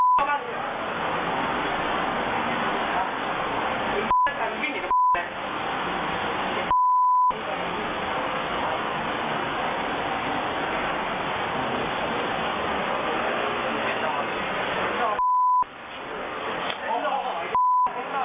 ไม่เหมือนได้ยเจ้า